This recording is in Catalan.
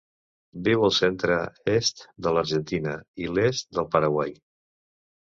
Viu al centre-est de l'Argentina i l'est del Paraguai.